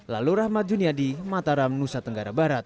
lalu rahmat juniadi mataram nusa tenggara barat